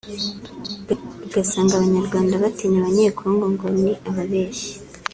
ugasanga abanyarwanda batinya abanyekongo ngo ni ababeshyi